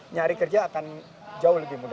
nyari kerja akan jauh lebih mudah